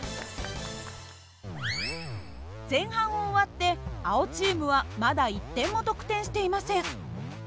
前半を終わって青チームはまだ１点も得点していません。